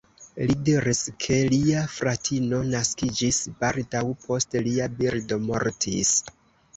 Li diris, ke lia fratino naskiĝis baldaŭ post lia birdo mortis.